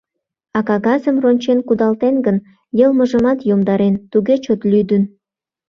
А кагазым рончен кудалтен гын, йылмыжымат йомдарен, туге чот лӱдын.